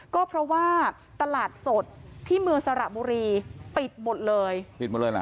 ก็เพราะว่าตลาดสดที่เมืองสระบุรีปิดหมดเลย